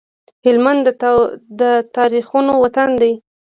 هلمند د تاريخونو وطن دی